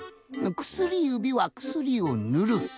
薬指は薬をぬる。